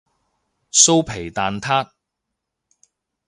酥皮蛋撻